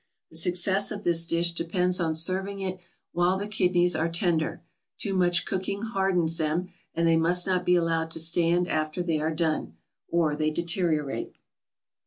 The success of this dish depends on serving it while the kidneys are tender; too much cooking hardens them; and they must not be allowed to stand after they are done, or they deteriorate.